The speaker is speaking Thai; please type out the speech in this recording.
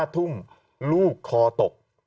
๕ทุ่มลูกคอตก